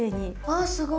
あすごい。